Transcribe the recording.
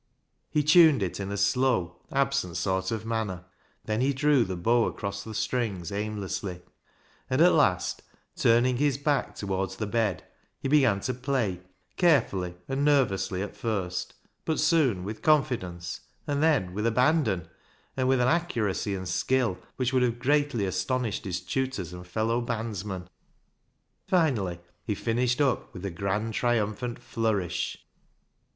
He tuned it in a slow, absent sort of manner. Then he drew the bow across the strings aim lessly, and at last, turning his back towards the bed, he began to play, carefully and nervously at first, but soon with confidence and then with abandon, and with an accuracy and skill which would have greatly astonished his tutors and fellow bandsmen. Finally he finished up with a grand, triumphant flourish.